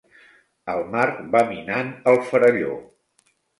El mar va minant el faralló.